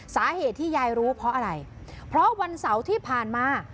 สาเหตุที่ยายรู้เพราะอะไรเพราะวันเสาร์ที่ผ่านมา